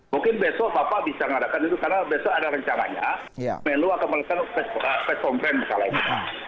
mungkin besok bapak bisa mengadakan itu karena besok ada rencananya kemenlu akan melakukan press conference kali ini